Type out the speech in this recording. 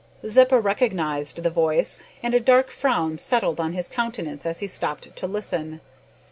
Zeppa recognised the voice, and a dark frown settled on his countenance as he stopped to listen.